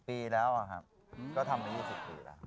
ปีแล้วครับก็ทำมา๒๐ปีแล้ว